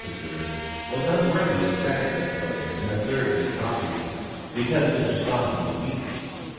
observed, "was unworthy of second rate players in a third rate coffee room," because Mr. Staunton was beaten.